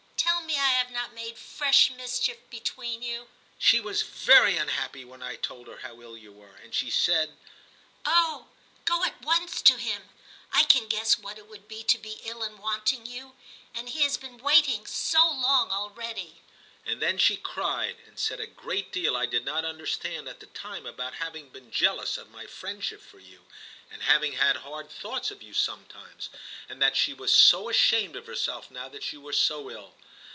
Tell me I have not made fresh mis chief between you ?'* She was very unhappy when I told her how ill you were, and she said, " Oh ! go at once to him ; I can guess what it would be to be ill and wanting you ; and he has been waiting so long already." And then she cried, and said a great deal I did not under stand at the time about having been jealous XIII TIM 313 of my friendship for you, and having had hard thoughts of you sometimes, and that she was so ashamed of herself now that you were so ill.